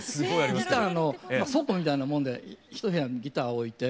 ギターの倉庫みたいなもんで一部屋にギターを置いて。